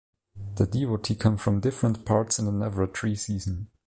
The devotee come from different parts in the navratri season.